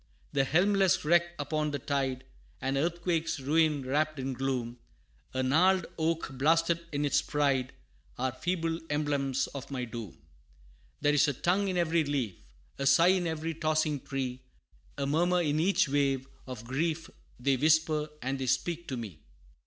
A helmless wreck upon the tide An earthquake's ruin wrapped in gloom A gnarled oak blasted in its pride Are feeble emblems of my doom. There is a tongue in every leaf, A sigh in every tossing tree A murmur in each wave; of grief They whisper, and they speak to me.